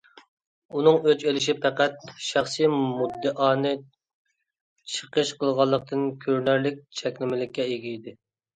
ئۇنىڭ ئۆچ ئېلىشى پەقەت شەخسىي مۇددىئانى چېقىش قىلغانلىقتىن كۆرۈنەرلىك چەكلىمىلىككە ئىگە ئىدى.